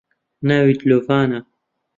ناوی دلۆڤانە